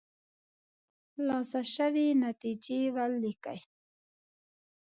ترلاسه شوې نتیجې ولیکئ.